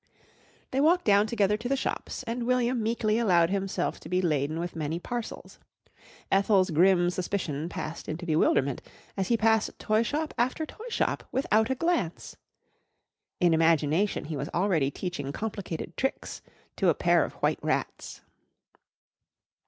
They walked down together to the shops, and William meekly allowed himself to be laden with many parcels. Ethel's grim suspicion passed into bewilderment as he passed toyshop after toyshop without a glance. In imagination he was already teaching complicated tricks to a pair of white rats.